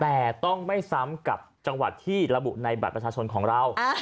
แต่ต้องไม่ซ้ำกับจังหวัดที่ระบุในบัตรประชาชนของเรา